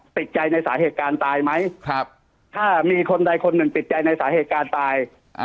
ติดใจในสาเหตุการณ์ตายไหมถ้ามีคนใดคนหนึ่งติดใจในสาเหตุการณ์ตาย